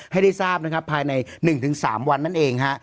ให้ได้ทราบนะครับภายใน๑๓วันนั่นเองฮะ